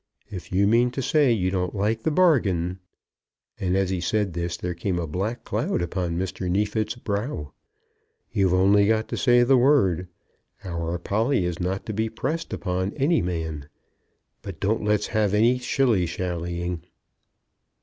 If you mean to say you don't like the bargain," and as he said this there came a black cloud upon Mr. Neefit's brow, "you've only got to say the word. Our Polly is not to be pressed upon any man. But don't let's have any shilly shallying."